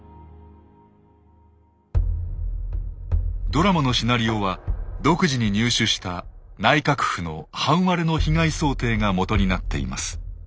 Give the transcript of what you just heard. ドラマのシナリオは独自に入手した内閣府の半割れの被害想定が基になっています。